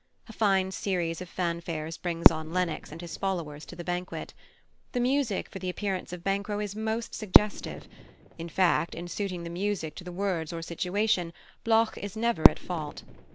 A fine series of fanfares brings on Lennox and his followers to the banquet. The music for the appearance of Banquo is most suggestive; in fact, in suiting the music to the words or situation Bloch is never at fault.